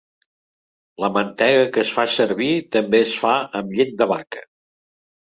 La mantega que es fa servir també es fa amb llet de vaca.